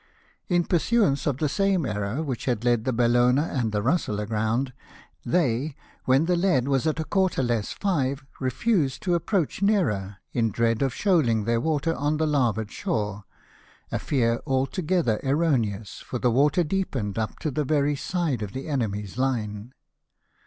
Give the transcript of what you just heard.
In pursuance of the same error which had led the Bellona and the Russell aground, they, when the lead was at a quarter less five, refused to approach nearer, in dread of shoaling their water on the larboard shore, a fear altogether erroneous, for the water deepened up to the very side of the enemy's line.